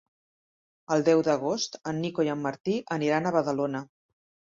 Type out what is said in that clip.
El deu d'agost en Nico i en Martí aniran a Badalona.